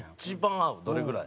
どれぐらい？